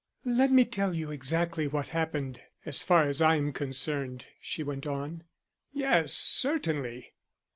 "Let me tell you exactly what happened so far as I am concerned," she went on. "Yes, certainly."